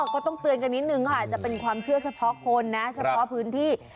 ก็ต้องเตือนกันนิดนึงก็อาจจะเป็นความเชื่อเฉพาะคนนะเฉพาะพื้นที่